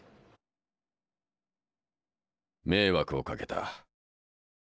迷惑をかけた。